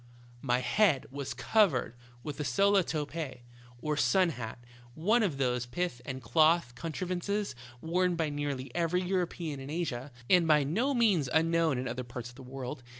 " My head was covered with a sola topee, or sun hat, one of those pith and cloth contrivances worn by nearly every European in Asia, and by no means unknown in other parts of the world.